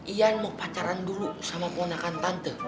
ian mau pacaran dulu sama pengenakan tante